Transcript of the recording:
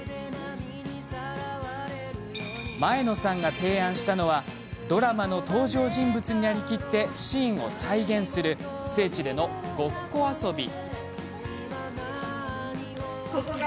前野さんが提案したのはドラマの登場人物になりきってシーンを再現する聖地でのごっこ遊び。